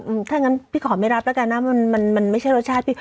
อืมถ้างั้นพี่ขอไม่รับแล้วกันนะมันมันไม่ใช่รสชาติพี่